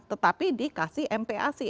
tetapi dikasih mp asi